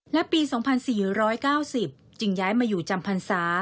และปี๒๔๙๐จึงย้ายมาอยู่จำพรรษา